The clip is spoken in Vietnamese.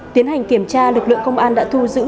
tiến hành kiểm tra lực lượng công an đã thu giữ